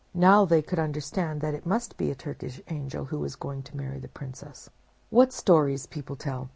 Now they could understand that it must be a Turkish angel who was going to marry the Princess. What stories people tell!